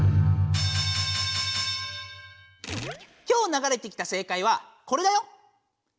今日ながれてきた正解はこれだよ！